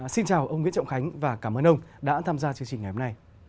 xin chào ông nguyễn trọng khánh và cảm ơn ông đã tham gia chương trình ngày hôm nay